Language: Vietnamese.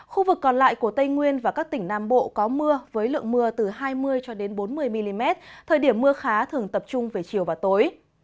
khu vực còn lại của tây nguyên và các tỉnh nam bộ có mưa với lượng mưa từ hai mươi cho đến bốn mươi mm thời điểm mưa khá thường tập trung về chiều và tối